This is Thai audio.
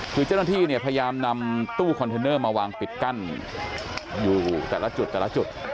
คือเจ้าหน้าที่เนี่ยพยายามนำตู้คอนเทนเนอร์มาวางปิดกั้นอยู่แต่ละจุดแต่ละจุด